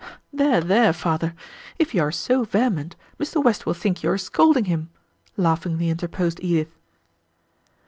"There, there, father, if you are so vehement, Mr. West will think you are scolding him," laughingly interposed Edith.